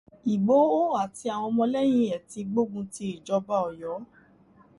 Ìgbòho àti àwọn ọmọlẹ́yìn ẹ̀ ti gbógun ti ìjọba Ọ̀yọ́